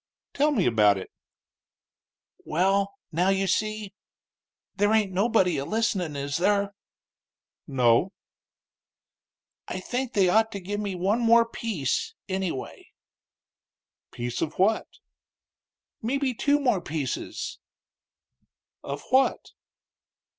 "Tell me about it." "Well, now, you see there ain't nobody a listenin', is there?" "No." "I think they ought to give me one more piece, any way." "Piece of what?" "Mebbe two more pieces." "Of what?"